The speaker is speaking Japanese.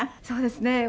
そうですね。